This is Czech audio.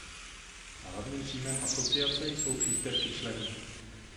Hlavním příjmem asociace jsou příspěvky členů.